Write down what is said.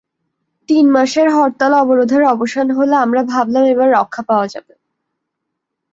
তিন মাসের হরতাল-অবরোধের অবসান হলে আমরা ভাবলাম এবার রক্ষা পাওয়া যাবে।